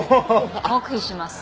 黙秘します。